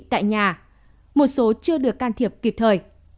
tại nhà một số chưa được can thiệp kịp thời